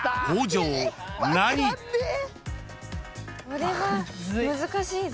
これは難しいぞ。